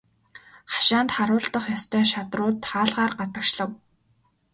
Хашаанд харуулдах ёстой шадрууд хаалгаар гадагшлав.